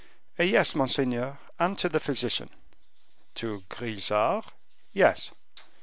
"Yes, monseigneur; and to the physician." "To Grisart?" "Yes."